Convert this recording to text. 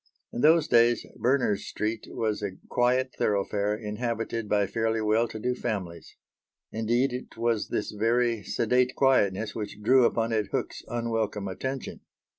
In those days Berners Street was a quiet thoroughfare inhabited by fairly well to do families. Indeed it was this very sedate quietness which drew upon it Hook's unwelcome attention.